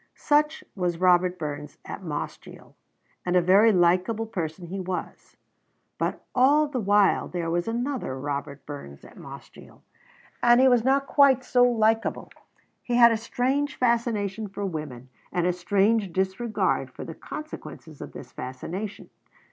Such was Robert Burns at Mossgiel, and a very likable person he was. But all the while there was another Robert Burns at Mossgiel, and he was not quite so likable. He had a strange fascination for women, and a strange disregard of the consequences of this fascination.